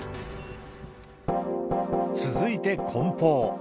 続いてこん包。